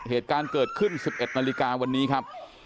เหตุการณ์เกิดขึ้น๑๑นาฬิกาวันนี้ครับ